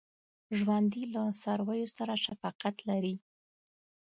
ژوندي له څارویو سره شفقت لري